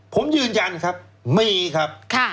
ผมยืนยันครับมีครับ